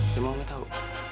tapi mama tahu